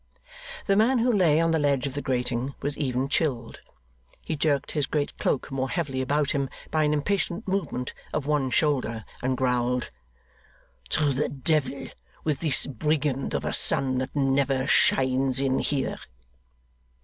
The man who lay on the ledge of the grating was even chilled. He jerked his great cloak more heavily upon him by an impatient movement of one shoulder, and growled, 'To the devil with this Brigand of a Sun that never shines in here!